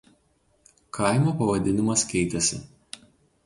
Kaimo pavadinimas keitėsi.